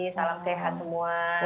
salam sehat semua